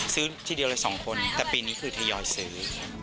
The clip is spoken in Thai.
ทีเดียวเลย๒คนแต่ปีนี้คือทยอยซื้อ